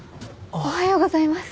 おはようございます。